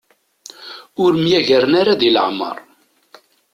Ur myagaren ara di leɛmer.